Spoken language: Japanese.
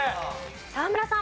沢村さん。